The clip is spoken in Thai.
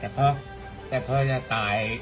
แต่พอจะตาย